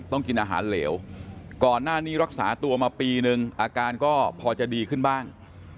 กินอาหารเหลวก่อนหน้านี้รักษาตัวมาปีนึงอาการก็พอจะดีขึ้นบ้าง